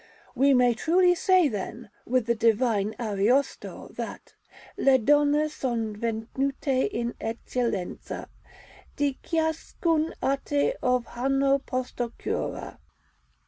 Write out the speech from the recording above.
We may truly say, then, with the divine Ariosto, that Le donne son venute in eccellenza Di ciascun' arte ov' hanno posto cura.